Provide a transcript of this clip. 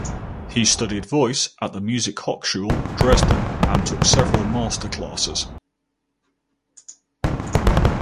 He studied voice at the Musikhochschule Dresden and took several master classes.